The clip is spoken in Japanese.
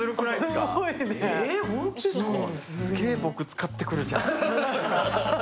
すげえ、僕、使ってくるじゃん。